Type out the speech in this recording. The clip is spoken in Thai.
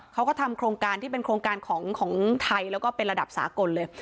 เขาก็ทำโครงการที่เป็นโครงการของไทยแล้วก็เป็นระดับสากลเลย